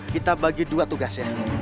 kita bagi dua tugas ya